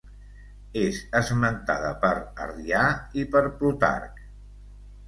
És esmentada per Arrià, i per Plutarc.